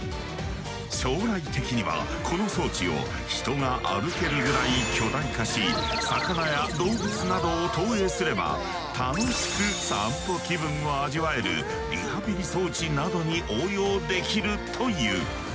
将来的にはこの装置を人が歩けるぐらい巨大化し魚や動物などを投影すれば楽しく散歩気分を味わえるリハビリ装置などに応用できるという。